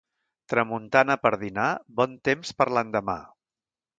Tramuntana per dinar, bon temps per l'endemà.